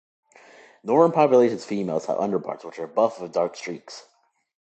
Northern population's females have underparts which are buff with dark streaks.